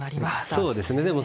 まあそうですね。